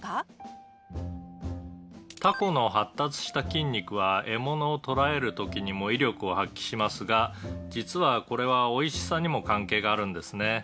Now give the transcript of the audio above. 「タコの発達した筋肉は獲物を捕らえる時にも威力を発揮しますが実はこれはおいしさにも関係があるんですね」